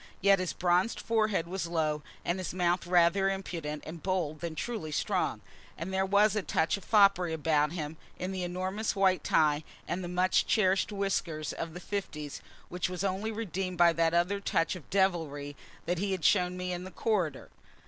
Yet his bronzed forehead was low, and his mouth rather impudent and bold than truly strong. And there was a touch of foppery about him, in the enormous white tie and the much cherished whiskers of the fifties, which was only redeemed by that other touch of devilry that he had shown me in the corridor.